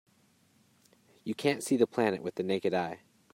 You can't see the planet with the naked eye.